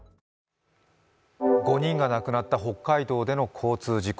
５人が亡くなった北海道での交通事故。